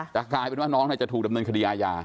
แต่กลายเป็นว่าน้องจะถูกดำเนินคดีอาญา